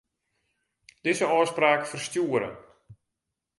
Dizze ôfspraak ferstjoere.